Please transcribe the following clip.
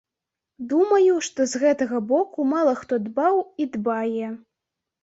Думаю, што з гэтага боку мала хто дбаў і дбае.